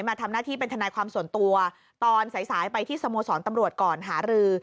มาทำหน้าที่เป็นทนายความส่วนตัวตอนสายสายไปที่สโมสรตำรวจก่อนหารือ